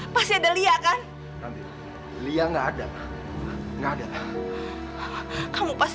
rati jangan jangan nggak ada